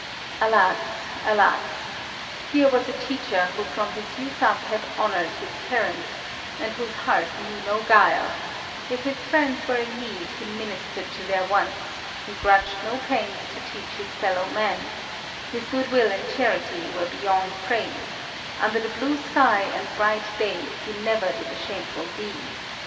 Alas! alas! here was a teacher who from his youth up had honoured his parents, and whose heart know no guile: if his friends were in need, he ministered to their wants; he grudged no pains to teach his fellow men; his good will and charity were beyond praise; under the blue sky and bright day he never did a shameful deed.